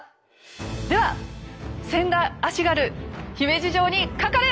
では千田足軽姫路城にかかれ！